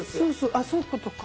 あっそういうことか。